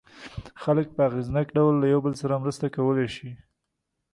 خلک په اغېزناک ډول له یو بل سره مرسته کولای شي.